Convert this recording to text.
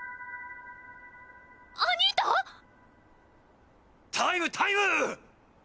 アニータ⁉タイムタイム！